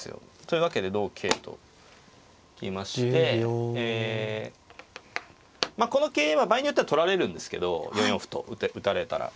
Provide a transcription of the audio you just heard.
というわけで同桂と行きましてこの桂は場合によっては取られるんですけど４四歩と打たれたら。